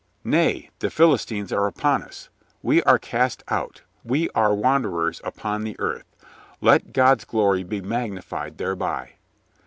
"Nay, the Philistines are upon us. We are cast out. We are wanderers upon the earth. Let God's glory be magnified thereby."